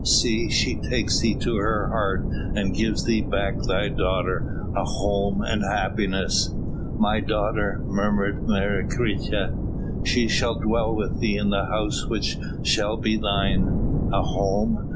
See, she takes thee to her heart and gives thee back thy daughter, a home and happiness." "My daughter?" murmured Menecreta. "She shall dwell with thee in the house which shall be thine." "A home?"